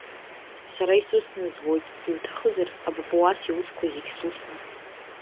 Сара исусны збоит, иуҭахызар, апапуас иусқәа зегь сусны.